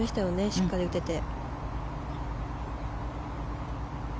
しっかり打てて。